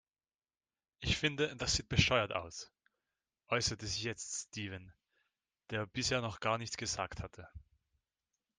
"Ich finde, das sieht bescheuert aus", äußerte sich jetzt Steven, der bisher noch gar nichts gesagt hatte.